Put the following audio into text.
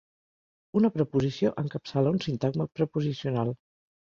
Una preposició encapçala un sintagma preposicional.